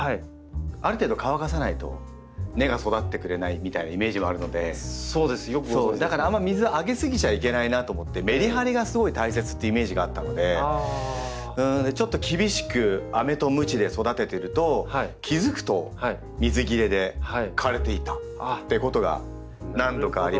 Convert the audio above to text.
ある程度乾かさないと根が育ってくれないみたいなイメージはあるのでだからあんま水あげすぎちゃいけないなと思ってメリハリがすごい大切っていうイメージがあったのでちょっと厳しくあめとむちで育ててると気付くと水切れで枯れていたってことが何度かありました。